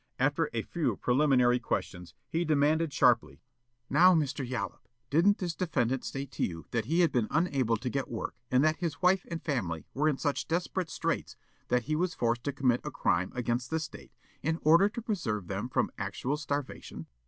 After a few preliminary questions, he demanded sharply: "Now, Mr. Yollop, didn't this defendant state to you that he had been unable to get work and that his wife and family were in such desperate straits that he was forced to commit a crime against the State in order to preserve them from actual starvation?"